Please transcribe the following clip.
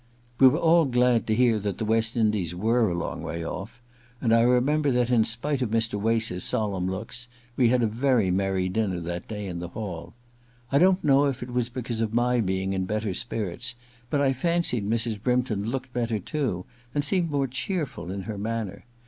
We were all glad to hear that the West Indies were a long way off, and I remember that, in spite of Mr. Wace's solemn looks, we had a very merry dinner that dav in the hall. I don't know if it was because of my being in better spirits, but I fancied Mrs. Brympton looked better too, and seemed more cheerful in her manner.